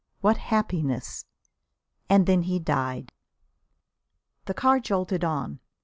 What happiness!" And then he died. The car jolted on.